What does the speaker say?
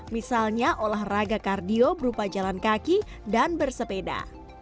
misalnya olahraga kardio berupa jalan kaki dan bersepeda